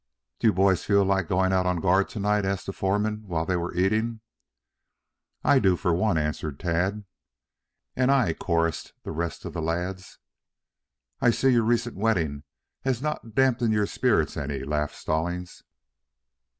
"Do you boys feel like going out on guard to night?" asked the foreman while they were eating. "I do for one," answered Tad. "And I," chorused the rest of the lads. "I see your recent wetting has not dampened your spirits any," laughed Stallings.